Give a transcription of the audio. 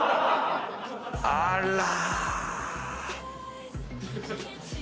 あら。